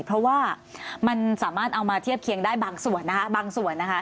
เพราะว่ามันสามารถเอามาเทียบเคียงได้บางส่วน